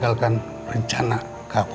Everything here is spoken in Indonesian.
kalian tahu apa kerja nanti